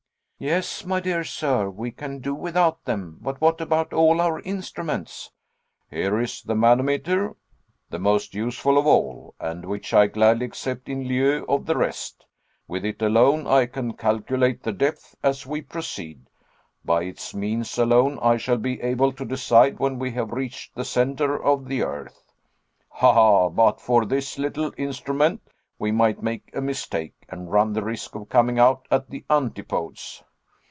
"Yes, my dear sir, we can do without them, but what about all our instruments?" "Here is the manometer, the most useful of all, and which I gladly accept in lieu of the rest. With it alone I can calculate the depth as we proceed; by its means alone I shall be able to decide when we have reached the centre of the earth. Ha, ha! but for this little instrument we might make a mistake, and run the risk of coming out at the antipodes!"